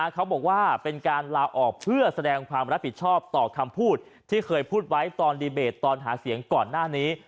เขาบอกว่าเป็นการลาออกเพื่อแสดงความรับผิดชอบต่อคำพูดที่เคยพูดไว้ตอนดีเบตตอนหาเสียงก่อนหน้านี้